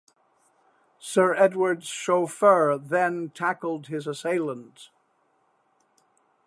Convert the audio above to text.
Sir Edward's chauffeur then tackled his assailant.